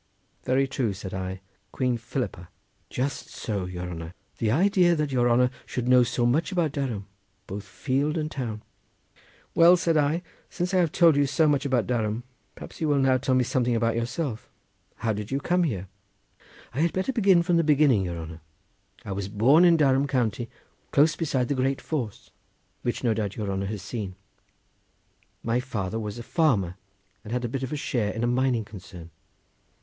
"Very true," said I; "Queen Philippa." "Just so, your honour! the idea that your honour should know so much about Durham, both field and town!" "Well," said I, "since I have told you so much about Durham, perhaps you will now tell me something about yourself. How did you come here?" "I had better begin from the beginning, your honour. I was born in Durham county close beside the Great Force, which no doubt your honour has seen. My father was a farmer and had a bit of a share in a mining concern.